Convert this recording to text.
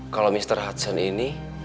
kalau mr hudson ini